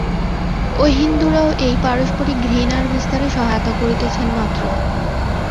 অহিন্দুরাও এই পারস্পরিক ঘৃণার বিস্তারে সহায়তা করিতেছেন মাত্র।